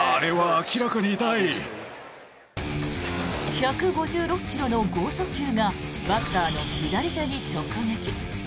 １５６ｋｍの豪速球がバッターの左手に直撃。